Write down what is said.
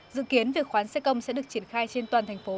dự kiến việc khoán xe công sẽ được triển khai trên toàn thành phố